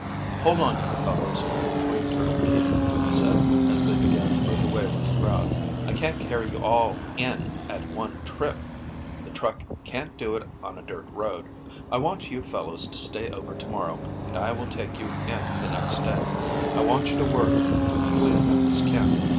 "Hold on, you fellows from Green Turtle Key," he said, as they began to move away with the crowd. "I can't carry you all in at one trip. The truck can't do it on a dirt road. I want you fellows to stay over to morrow, and I will take you in the next day, and I want you to work cleaning up this camp.